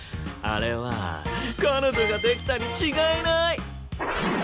あれは彼女ができたに違いない！